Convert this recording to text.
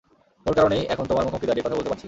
ওর কারণেই এখন তোমার মুখোমুখি দাঁড়িয়ে কথা বলতে পারছি।